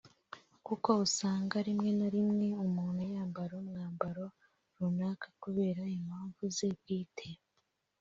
kuko usanga rimwe na rimwe umuntu yambaye umwambaro runaka kubera impamvu ze bwite